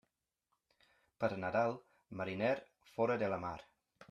Per Nadal, mariner fora de la mar.